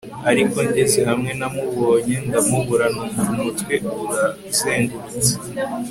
ariko ngeze hamwe namuboneye ndamubura numva umutwe urazengurutse